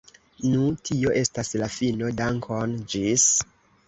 Nu tio estas la fino, dankon ĝis.